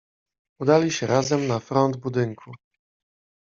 "Udali się razem na front budynku."